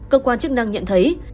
cơ quan chức năng nhận thấy